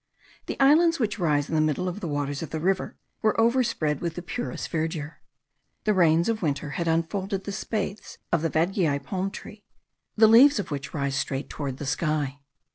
The islands which rise in the middle of the waters of the river were overspread with the purest verdure. The rains of winter had unfolded the spathes of the vadgiai palm tree, the leaves of which rise straight toward the sky.